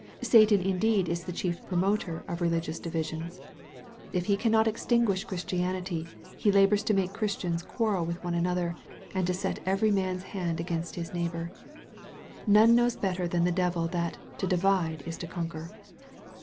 Satan indeed is the chief promoter of religious divisions If he cannot extinguish Christianity, he labors to make Christians quarrel with one another, and to set every man's hand against his neighbor. None knows better than the devil, that " to divide is to conquer."